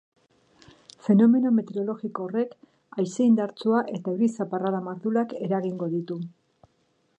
Fenomeno metereologiko horrek haize indartsua eta euri zaparrada mardulak eragingo ditu.